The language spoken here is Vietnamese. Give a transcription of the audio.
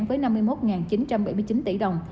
với năm mươi một chín trăm bảy mươi chín tỷ đồng